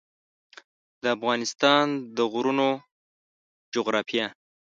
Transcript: د افغانستان د غرونو جغرافیه